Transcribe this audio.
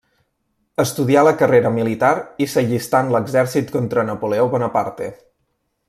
Estudià la carrera militar i s'allistà en l'exèrcit contra Napoleó Bonaparte.